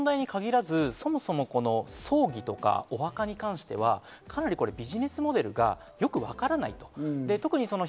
この問題に限らず、そもそも葬儀とかお墓に関しては、かなりビジネスモデルがよくわからない。